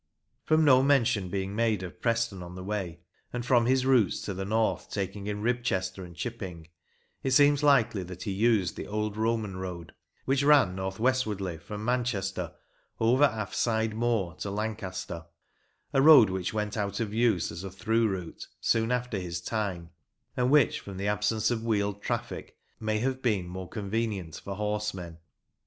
From no mention being made of Preston on the way, and from his routes to the north taking in Ribchester and Chipping, it seems likely that he used the old Roman road, which ran north westwardly from Manchester over Affeside Moor to Lancaster, a road which went out of use as a through route soon after his time, and which, from the absence of wheeled traffic, may have been more convenient for horsemen.